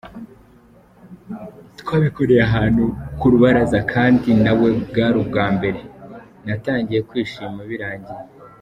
Twabikoreye ahantu ku rubaraza kandi na we bwari ubwa mbere; natangiye kwishima birangiye.